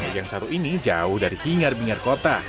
yang satu ini jauh dari hingar bingar kota